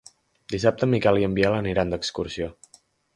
Dissabte en Miquel i en Biel aniran d'excursió.